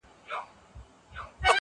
پرجوړي کړي دي باران او خټو خړي لاري؛